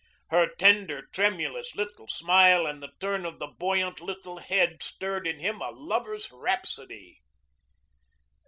Her tender, tremulous little smile and the turn of the buoyant little head stirred in him a lover's rhapsody.